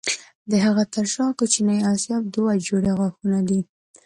د هغه تر شا کوچني آسیاب دوه جوړې غاښونه دي.